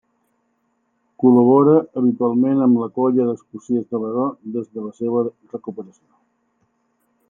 Col·labora habitualment amb la colla dels cossiers d'Alaró des de la seva recuperació.